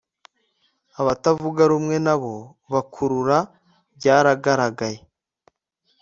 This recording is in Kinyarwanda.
abatavuga rumwe na bo bakurura. byaragaragaye!